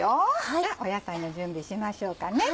じゃあ野菜の準備しましょうかね。